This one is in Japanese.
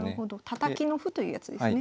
たたきの歩というやつですね。